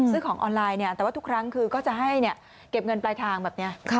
ซื้อของออนไลน์แต่ว่าทุกครั้งคือก็จะให้เก็บเงินปลายทางแบบนี้